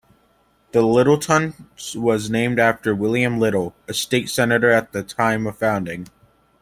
Littleton was named after William Little, a state senator at the time of founding.